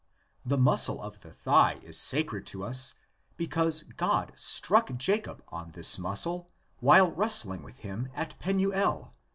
The muscle of the thigh is sacred to us because God struck Jacob on this muscle while wrestling with him at Penuel (xxxii.